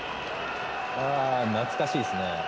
ああ懐かしいですね。